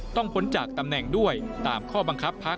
พ้นจากตำแหน่งด้วยตามข้อบังคับพัก